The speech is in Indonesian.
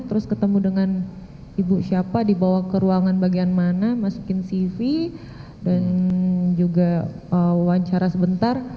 terus ketemu dengan ibu siapa dibawa ke ruangan bagian mana masukin cv dan juga wawancara sebentar